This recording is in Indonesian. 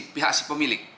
pihak si pemilik